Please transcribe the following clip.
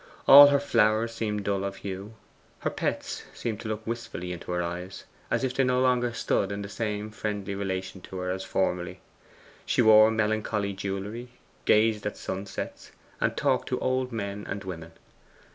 All her flowers seemed dull of hue; her pets seemed to look wistfully into her eyes, as if they no longer stood in the same friendly relation to her as formerly. She wore melancholy jewellery, gazed at sunsets, and talked to old men and women.